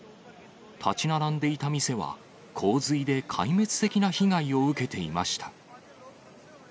建ち並んでいた店は、洪水で壊滅的な被害を受けていました。